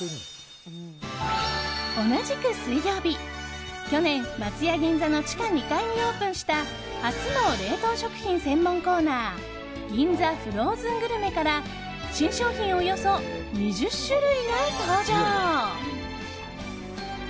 同じく水曜日去年、松屋銀座の地下２階にオープンした初の冷凍食品専門コーナーギンザフローズングルメから新商品およそ２０種類が登場。